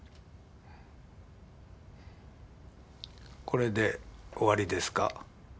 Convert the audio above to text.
これで終わりですか？